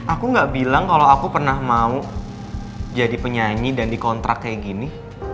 aku gak bilang kalau aku pernah mau jadi penyanyi dan dikontrak kayak gini